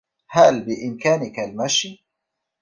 هل بإمكانك المشي؟